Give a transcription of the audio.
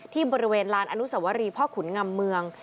ที่บริเวณลานอนุสวรีพ่อขุนงำเมือง